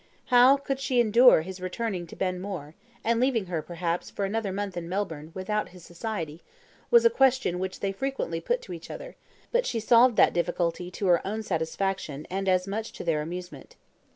How could she endure his returning to Ben More, and leaving her, perhaps, for another month in Melbourne without his society, was a question which they frequently put to each other; but she solved that difficulty to her own satisfaction and as much to their amusement.